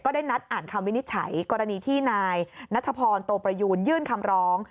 ได้นัดอ่านคำวินิจฉัยกรณีที่นายนัทพรโตประยูนยื่นคำร้อง